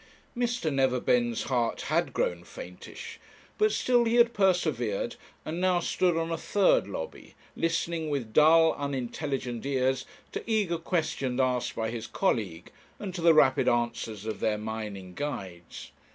Mr. Neverbend's heart had grown faintish, but still he had persevered, and now stood on a third lobby, listening with dull, unintelligent ears to eager questions asked, by his colleague, and to the rapid answers of their mining guides.